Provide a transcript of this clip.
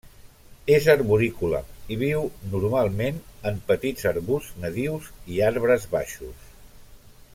És arborícola i viu, normalment, en petits arbusts nadius i arbres baixos.